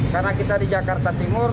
karena kita di jakarta timur